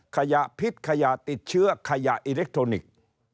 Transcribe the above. ขยะพิษขยะติดเชื้อขยะอิเล็กทรอนิกส์